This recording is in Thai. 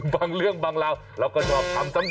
บางเรื่องบางราวเราก็ชอบทำซ้ำ